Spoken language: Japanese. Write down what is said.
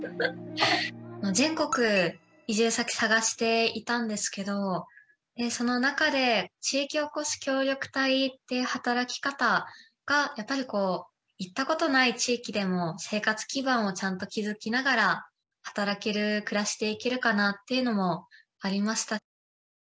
全国移住先探していたんですけどその中で地域おこし協力隊って働き方がやっぱり行ったことない地域でも生活基盤をちゃんと築きながら働ける暮らしていけるかなっていうのもありました。